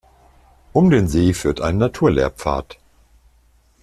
Um den See führt ein Naturlehrpfad.